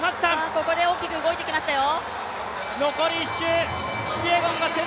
ここで大きく動いてきましたよ。